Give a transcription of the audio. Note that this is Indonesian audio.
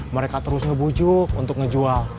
mereka terus ngebujuk untuk ngejual